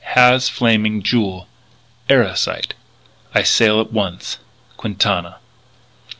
Has Flaming Jewel.... Erosite.... I sail at once. "QUINTANA."